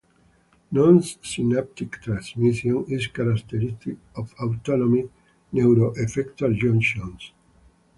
Non-synaptic transmission is characteristic of autonomic neuroeffector junctions.